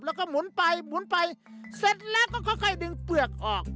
แล้วก็หมุนไปหมุนไปเสร็จแล้วก็ค่อยดึงเปลือกออก